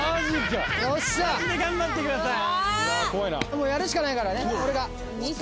もうやるしかないからね、俺が。